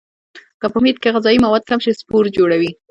که په محیط کې غذایي مواد کم شي سپور جوړوي.